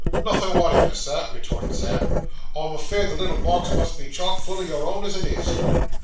'Nothin' whatever, Sir,' retorted Sam; 'I'm afeered the little box must be chock full o' your own as it is.